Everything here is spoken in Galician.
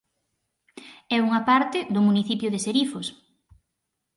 É unha parte do municipio de Serifos.